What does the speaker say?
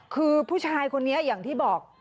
คือผู้ชายคนนี้อย่างที่บอก